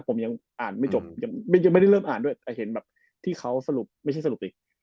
ผมยังไม่เริ่มอ่านด้วยแต่เห็นที่เขาสรุปไม่ใช่สรุปติ